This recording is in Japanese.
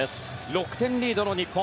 ６点リードの日本。